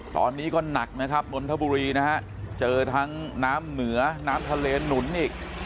ตอนนี้ก็หนักนะครับนนทบุรีนะฮะเจอทั้งน้ำเหนือน้ำทะเลหนุนอีก